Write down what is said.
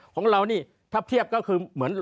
ของเรานี่ถับเทียบก็คือ